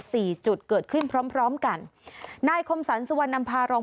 สี่จุดเกิดขึ้นพร้อมพร้อมกันนายคมสรรสุวรรณนำพารอง